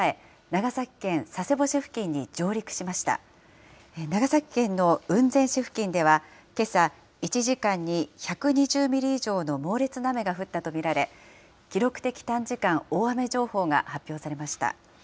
長崎県の雲仙市付近では、けさ、１時間に１２０ミリ以上の猛烈な雨が降ったと見られ、記録的短時間大雨情報が発表されました。